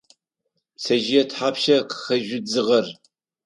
Пцэжъые тхьапша къыхэжъу дзыгъэр?